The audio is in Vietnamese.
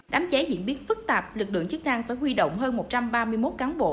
đám cháy diễn biến phức tạp lực lượng chức năng phải huy động hơn một trăm ba mươi một cán bộ